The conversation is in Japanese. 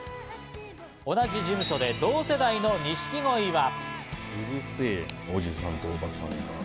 同じ事務所で同世代の錦鯉は。